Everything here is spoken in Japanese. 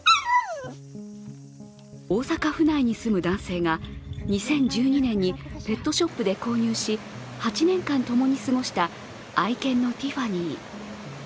大阪府内に住む男性が２０１２年にペットショップで購入し、８年間、共に過ごした愛犬のティファニー。